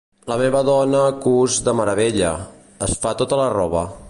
La meva dona cus de meravella: es fa tota la roba.